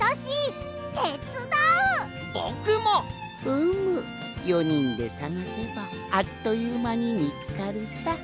うむ４にんでさがせばあっというまにみつかるさ。